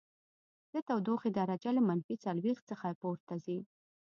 د تودوخې درجه له منفي څلوېښت څخه پورته ځي